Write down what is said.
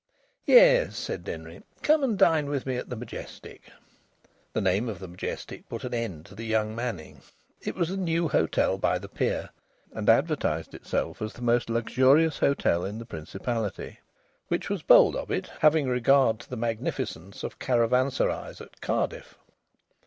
"Yes," said Denry, "come and dine with me at the Majestic." The name of the Majestic put an end to the young manning. It was the new hotel by the pier, and advertised itself as the most luxurious hotel in the Principality. Which was bold of it, having regard to the magnificence of caravanserais at Cardiff.